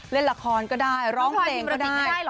เล่นละครก็ได้ร้องเพลงก็ได้